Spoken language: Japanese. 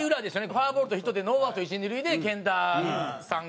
フォアボールとヒットでノーアウト一二塁で源田さんが。